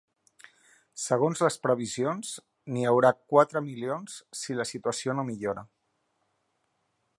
Segons les previsions n’hi haurà quatre milions si la situació no millora.